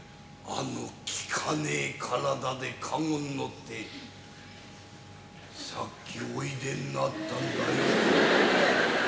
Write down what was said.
あの利かねえ体で駕籠に乗ってさっきおいでになったんだよ。